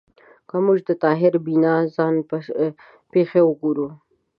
که موږ د طاهر بینا ځان پېښې وګورو